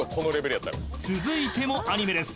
［続いてもアニメです。